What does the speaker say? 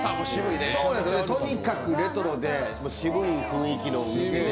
とにかくレトロでシブい雰囲気のお店で。